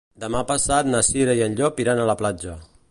Demà passat na Cira i en Llop iran a la platja.